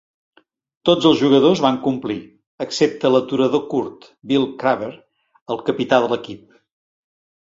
Tots els jugadors van complir, excepte l'aturador curt, Bill Craver, el capità de l'equip.